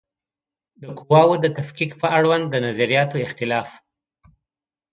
د قواوو د تفکیک په اړوند د نظریاتو اختلاف